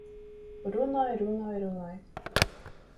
Runoj, runoj, runoj.